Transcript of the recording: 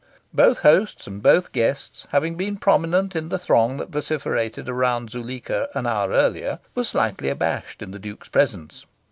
Both hosts and both guests, having been prominent in the throng that vociferated around Zuleika an hour earlier, were slightly abashed in the Duke's presence.